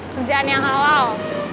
kerjaan yang halal